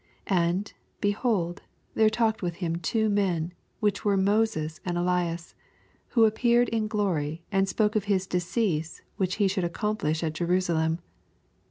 80 And, behold, there tilked wi& him two men, which were Moses and Elias: 81 Who appeared in glory, and spake of his decease which he should aocomplish at Jerusalem.